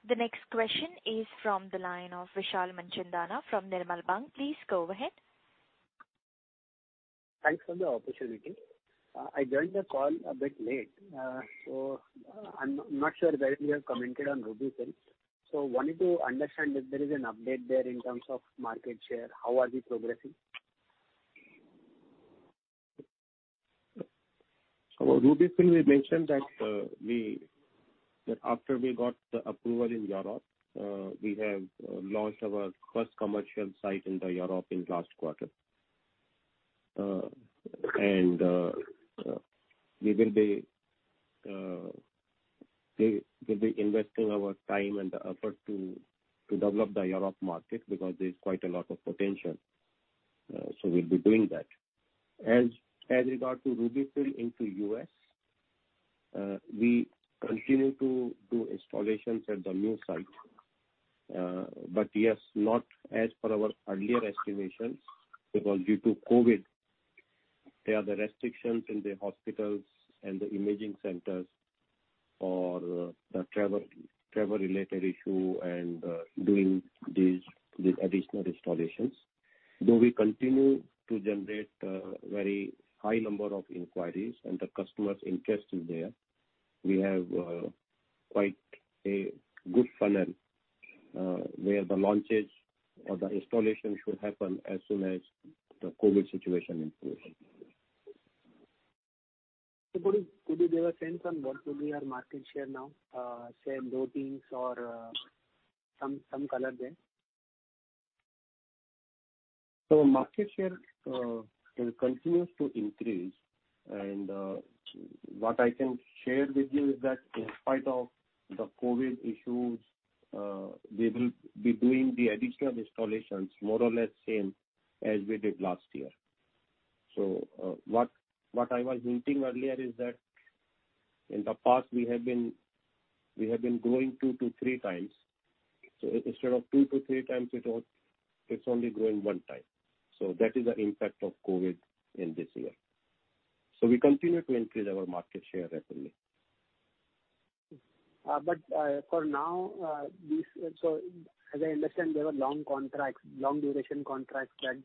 The next question is from the line of Vishal Manchanda from Nirmal Bang. Please go ahead. Thanks for the opportunity. I joined the call a bit late, so I'm not sure whether you have commented on RUBY-FILL. Wanted to understand if there is an update there in terms of market share. How are we progressing? RUBY-FILL, we mentioned that after we got the approval in Europe, we have launched our first commercial site in Europe in last quarter. We will be investing our time and effort to develop the Europe market because there's quite a lot of potential. We'll be doing that. As regard to RUBY-FILL into U.S., we continue to do installations at the new site. Yes, not as per our earlier estimations, because due to COVID, there are the restrictions in the hospitals and the imaging centers for the travel related issue and doing these additional installations. Though we continue to generate a very high number of inquiries and the customer's interest is there. We have quite a good funnel, where the launches or the installation should happen as soon as the COVID situation improves. Could you give a sense on what will be our market share now? Say low teens or some color there. Market share, it continues to increase. What I can share with you is that in spite of the COVID issues, we will be doing the additional installations more or less same as we did last year. What I was hinting earlier is that in the past, we have been growing two to three times. Instead of two to three times, it's only growing one time. That is the impact of COVID in this year. We continue to increase our market share rapidly. For now, as I understand, there were long duration contracts that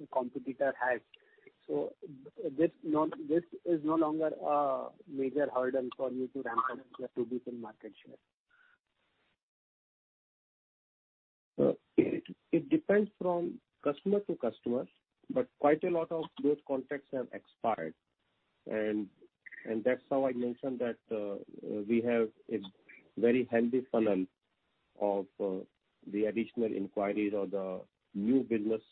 the competitor has. This is no longer a major hurdle for you to ramp up your RUBY-FILL market share. It depends from customer to customer, but quite a lot of those contracts have expired, and that's how I mentioned that we have a very healthy funnel of the additional inquiries or the new business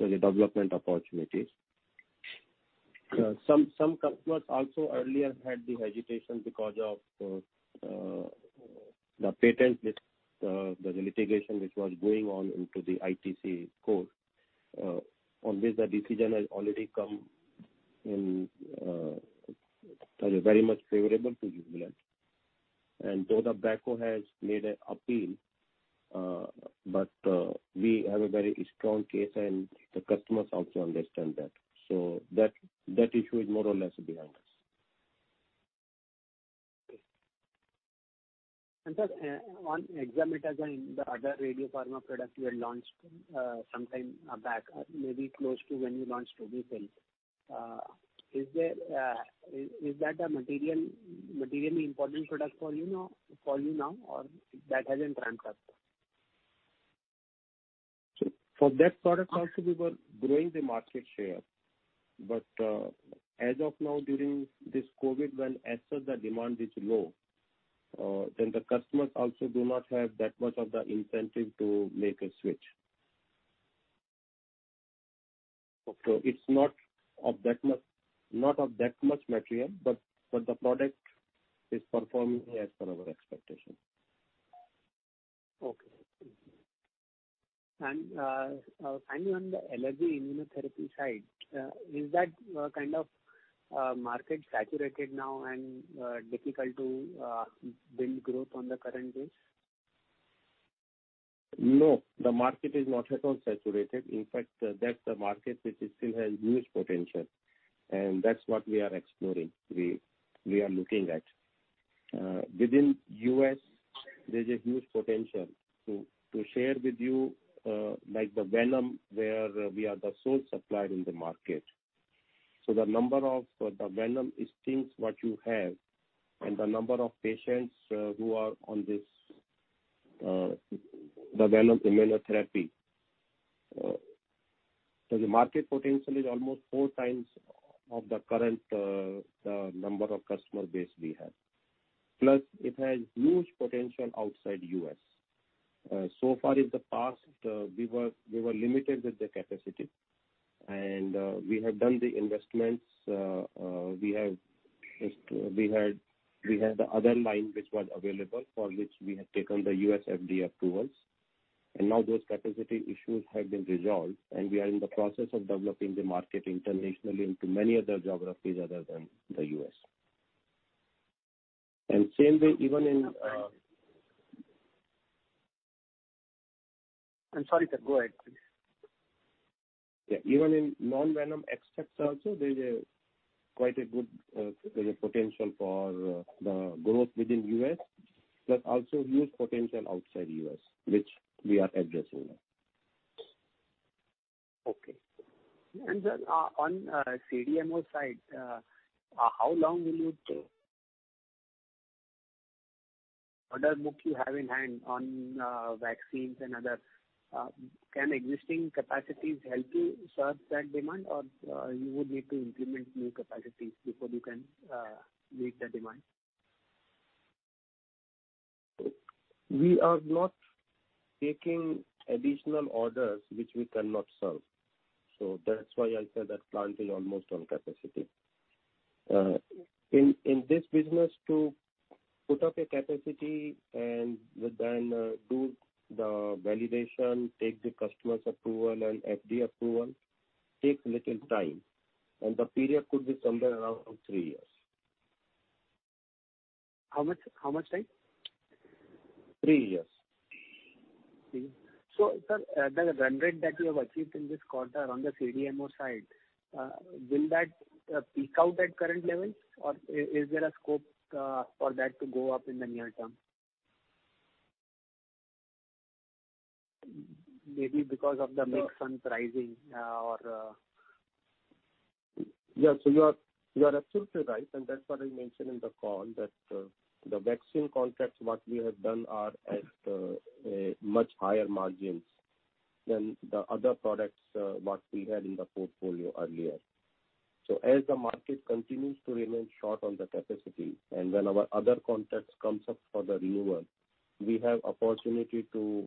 development opportunities. Some customers also earlier had the hesitation because of the patent, the litigation which was going on into the ITC court, on which the decision has already come very much favorable to Jubilant. Though the Bracco has made an appeal, but we have a very strong case, and the customers also understand that. That issue is more or less behind us. Sir, on Exametazime, the other Radiopharma product you had launched sometime back, maybe close to when you launched RUBY-FILL, is that a materially important product for you now, or that hasn't ramped up? For that product also, we were growing the market share. As of now, during this COVID, when as such the demand is low, then the customers also do not have that much of the incentive to make a switch. Okay. It's not of that much material, but the product is performing as per our expectation. Okay. Finally, on the allergy immunotherapy side, is that kind of market saturated now and difficult to build growth on the current base? No, the market is not at all saturated. In fact, that's the market which still has huge potential. That's what we are exploring. We are looking at. Within U.S., there's a huge potential to share with you, like the venom, where we are the sole supplier in the market. The number of the venom stings what you have and the number of patients who are on this, the venom immunotherapy. The market potential is almost four times of the current number of customer base we have. It has huge potential outside U.S. Far in the past, we were limited with the capacity. We have done the investments. We had the other line which was available, for which we had taken the U.S. FDA approvals. Now those capacity issues have been resolved, and we are in the process of developing the market internationally into many other geographies other than the U.S. I'm sorry, sir. Go ahead, please. Yeah. Even in non-venom extracts also, there's quite a good potential for the growth within U.S., but also huge potential outside U.S., which we are addressing now. Okay. Sir, on CDMO side, how long will it take? Order book you have in hand on vaccines and other, can existing capacities help you serve that demand, or you would need to implement new capacities before you can meet the demand? We are not taking additional orders which we cannot serve. That's why I said that plant is almost on capacity. In this business, to put up a capacity and then do the validation, take the customer's approval and FDA approval takes a little time. The period could be somewhere around three years. How much time? Three years. Three years. Sir, the run rate that you have achieved in this quarter on the CDMO side, will that peak out at current levels, or is there a scope for that to go up in the near term? Yes. You are absolutely right, that's what I mentioned in the call that the vaccine contracts, what we have done are at much higher margins than the other products, what we had in the portfolio earlier. As the market continues to remain short on the capacity and when our other contracts comes up for the renewal, we have opportunity to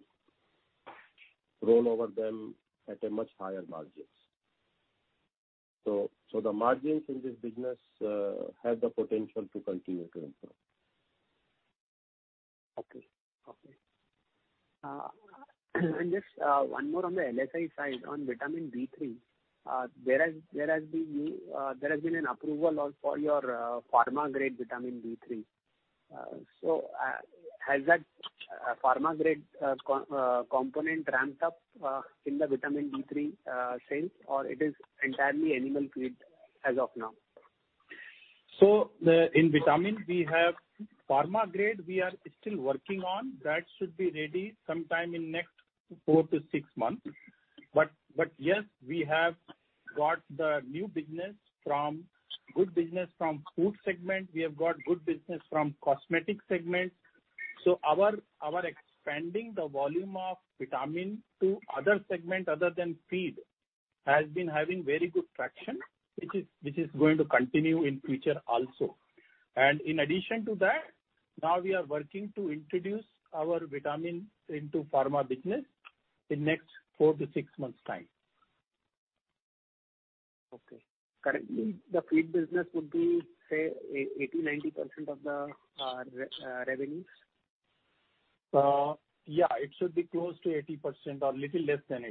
roll over them at a much higher margins. The margins in this business have the potential to continue to improve. Okay. Just one more on the LSI side, on vitamin D3. There has been an approval for your pharma grade vitamin D3. Has that pharma grade component ramped up in the vitamin D3 sales, or it is entirely animal feed as of now? In vitamin, we have pharma-grade we are still working on. That should be ready sometime in next four to six months. Yes, we have got the new business from good business from food segment. We have got good business from cosmetic segment. Our expanding the volume of vitamin to other segment other than feed has been having very good traction, which is going to continue in future also. In addition to that, now we are working to introduce our vitamin into pharma business in next four to six months' time. Okay. Currently, the feed business would be, say, 80, 90% of the revenues? Yeah, it should be close to 80% or little less than 80%.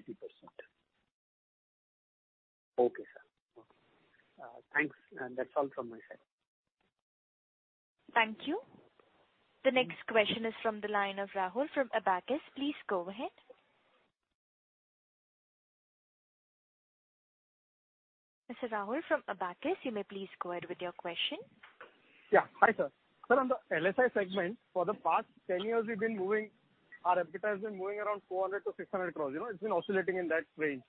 Okay, sir. Thanks. That's all from my side. Thank you. The next question is from the line of Rahul from Abakkus. Please go ahead. Mr. Rahul from Abakkus, you may please go ahead with your question. Yeah. Hi, sir. Sir, on the LSI segment, for the past 10 years, our EBITDA has been moving around 400 crore-600 crore. It's been oscillating in that range.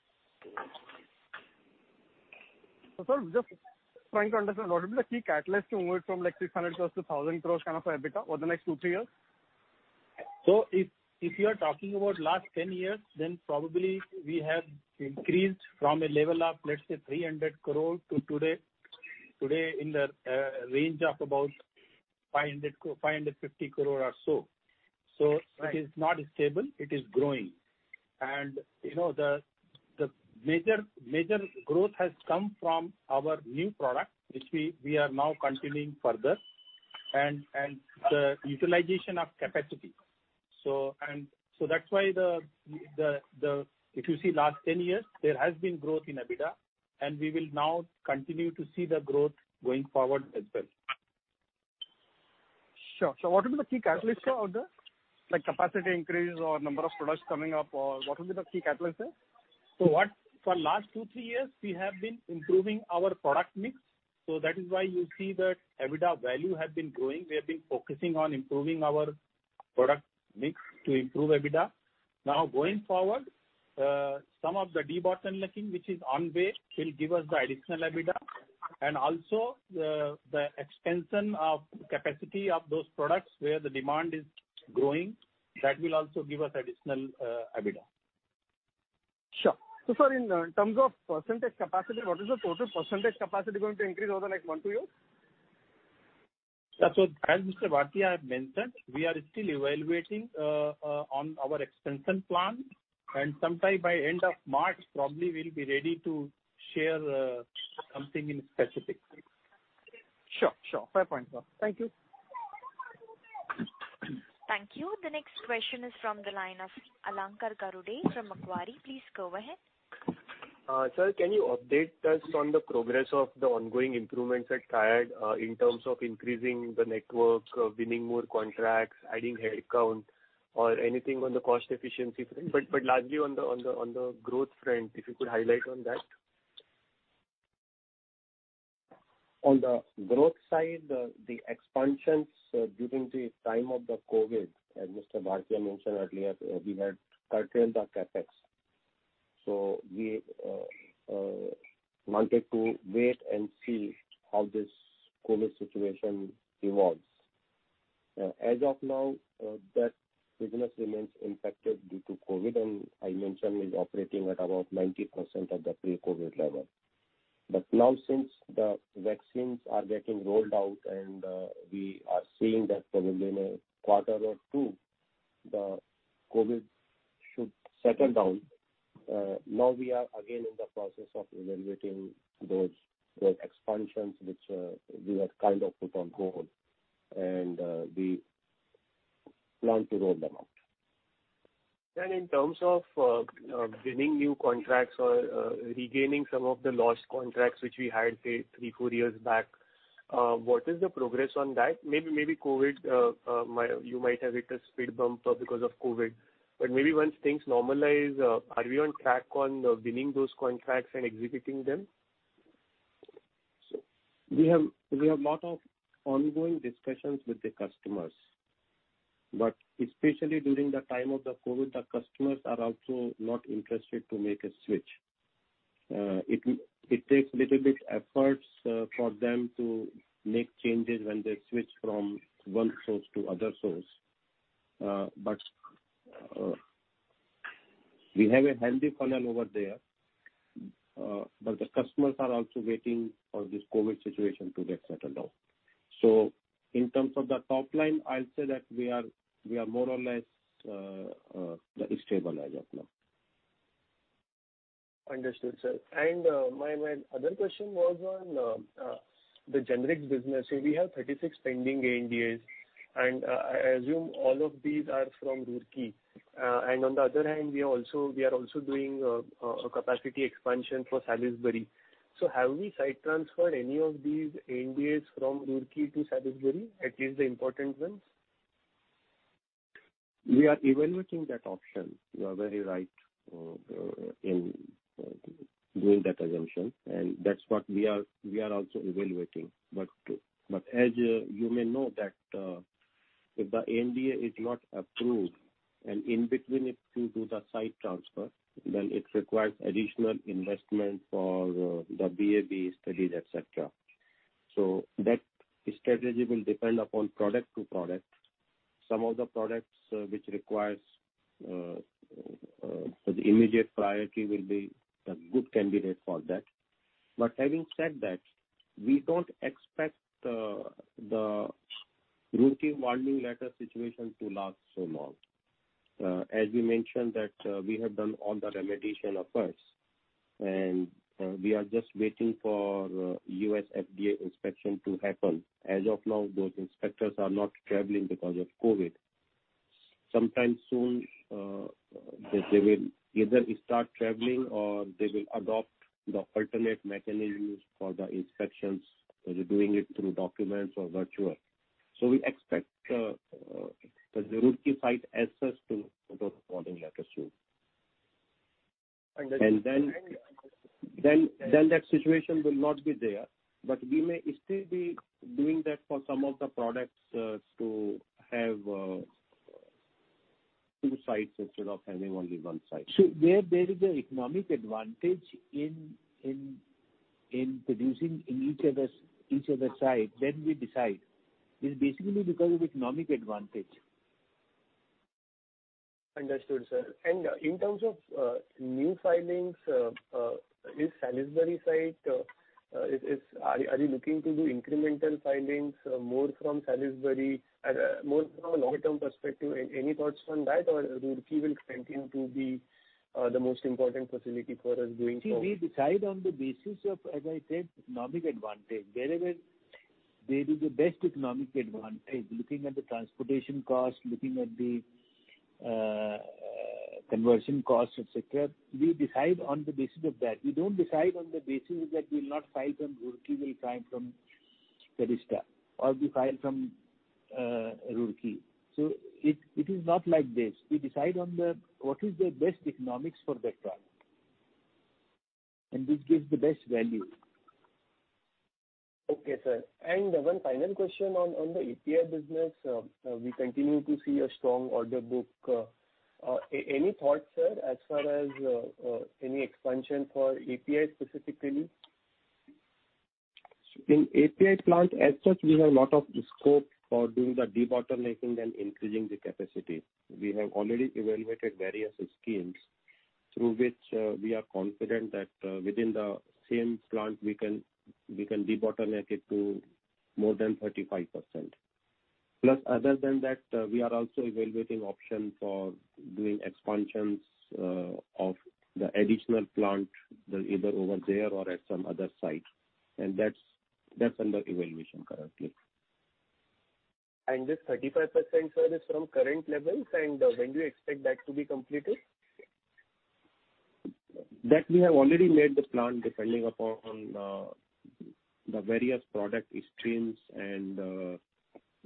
Sir, just trying to understand what would be the key catalyst to move it from 600 crore to 1,000 crore kind of EBITDA over the next two, three years. If you are talking about last 10 years, probably we have increased from a level of, let's say, 300 crores to today in the range of about 550 crores or so. Right. It is not stable, it is growing. The major growth has come from our new product, which we are now continuing further, and the utilization of capacity. That's why if you see last 10 years, there has been growth in EBITDA, and we will now continue to see the growth going forward as well. Sure. What would be the key catalyst for order? Like capacity increase or number of products coming up, or what would be the key catalyst there? For last two, three years, we have been improving our product mix. That is why you see the EBITDA value has been growing. We have been focusing on improving our product mix to improve EBITDA. Going forward, some of the debottlenecking, which is on way, will give us the additional EBITDA. Also the expansion of capacity of those products where the demand is growing, that will also give us additional EBITDA. Sure. sir, in terms of percentage capacity, what is the total percentage capacity going to increase over the next one to two years? Yeah. As Mr. Bhartia mentioned, we are still evaluating on our expansion plan, and sometime by end of March, probably we'll be ready to share something in specific. Sure. Fair point, sir. Thank you. Thank you. The next question is from the line of Alankar Garude from Macquarie. Please go ahead. Sir, can you update us on the progress of the ongoing improvements at Triad in terms of increasing the network, winning more contracts, adding headcount or anything on the cost efficiency front? Largely on the growth front, if you could highlight on that. On the growth side, the expansions during the time of the COVID, as Mr. Bhartia mentioned earlier, we had curtailed the CapEx. We wanted to wait and see how this COVID situation evolves. As of now, that business remains impacted due to COVID, and I mentioned is operating at about 90% of the pre-COVID level. Since the vaccines are getting rolled out and we are seeing that probably in a quarter or two, the COVID should settle down. Now we are again in the process of evaluating those expansions, which we had kind of put on hold, and we plan to roll them out. In terms of winning new contracts or regaining some of the lost contracts, which we had, say, three, four years back, what is the progress on that? You might have hit a speed bump because of COVID, but maybe once things normalize, are we on track on winning those contracts and executing them? We have a lot of ongoing discussions with the customers, but especially during the time of the COVID, the customers are also not interested to make a switch. It takes little bit efforts for them to make changes when they switch from one source to other source. We have a healthy funnel over there. The customers are also waiting for this COVID situation to get settled down. In terms of the top line, I'll say that we are more or less stable as of now. Understood, sir. My other question was on the generics business. We have 36 pending ANDAs, and I assume all of these are from Roorkee. On the other hand, we are also doing a capacity expansion for Salisbury. Have we site transferred any of these ANDAs from Roorkee to Salisbury, at least the important ones? We are evaluating that option. You are very right in doing that assumption, and that's what we are also evaluating. As you may know, that if the ANDA is not approved and in between it you do the site transfer, then it requires additional investment for the BA/BE studies, et cetera. That strategy will depend upon product to product. Some of the products which requires the immediate priority will be a good candidate for that. Having said that, we don't expect the Roorkee warning letter situation to last so long. As we mentioned that we have done all the remediation efforts, and we are just waiting for U.S. FDA inspection to happen. As of now, those inspectors are not traveling because of COVID. Sometime soon, they will either start traveling or they will adopt the alternate mechanisms for the inspections, whether doing it through documents or virtual. We expect the Roorkee site access to those warning letter soon. Understood. That situation will not be there. We may still be doing that for some of the products to have two sites instead of having only one site. Where there is an economic advantage in producing in each other's site, then we decide. It's basically because of economic advantage. Understood, sir. In terms of new filings, are you looking to do incremental filings more from Salisbury from a long-term perspective? Any thoughts on that? Roorkee will continue to be the most important facility for us going forward. We decide on the basis of, as I said, economic advantage. Wherever there is the best economic advantage, looking at the transportation cost, looking at the conversion cost, et cetera, we decide on the basis of that. We don't decide on the basis that we'll not file from Roorkee, we'll file from Batista, or we file from Roorkee. It is not like this. We decide on what is the best economics for that product, and which gives the best value. Okay, sir. One final question on the API business. We continue to see a strong order book. Any thoughts, sir, as far as any expansion for API specifically? In API plant as such, we have lot of scope for doing the debottlenecking and increasing the capacity. We have already evaluated various schemes through which we are confident that within the same plant we can debottleneck it to more than 35%. Other than that, we are also evaluating option for doing expansions of the additional plant, either over there or at some other site. That's under evaluation currently. This 35%, sir, is from current levels? When do you expect that to be completed?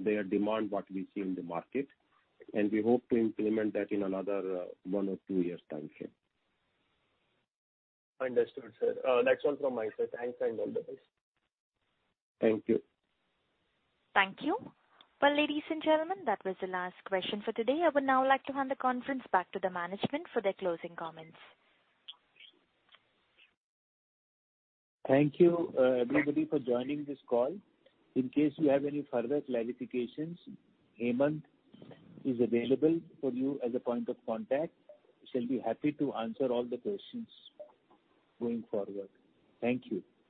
We have already made the plan depending upon the various product streams and their demand, what we see in the market, and we hope to implement that in another one or two years' time frame. Understood, sir. That's all from my side. Thanks, and all the best. Thank you. Thank you. Well, ladies and gentlemen, that was the last question for today. I would now like to hand the conference back to the management for their closing comments. Thank you everybody for joining this call. In case you have any further clarifications, Hemant is available for you as a point of contact. He shall be happy to answer all the questions going forward. Thank you.